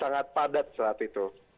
sangat padat saat itu